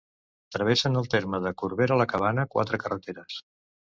Travessen el terme de Corbera la Cabana quatre carreteres.